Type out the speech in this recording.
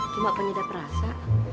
cuma penyedap rasa